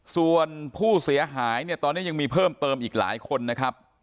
ส่วนผู้เสียหายเนี่ยตอนนี้ยังมีเพิ่มเติมอีกหลายคนนะครับ